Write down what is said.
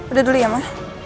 udah dulu ya ma